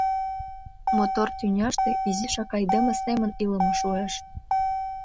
— Мотор тӱняште изишак айдеме семын илыме шуэш.